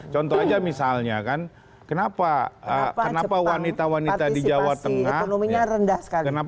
contoh aja misalnya kan kenapa kenapa wanita wanita di jawa tengah